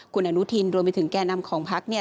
คุณอนุทินรวมไปถึงแก่นำของพักเนี่ย